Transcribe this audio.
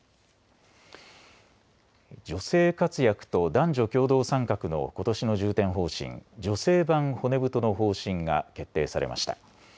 女性活躍と男女共同参画のことしの重点方針、女性版骨太の方針が決定されました。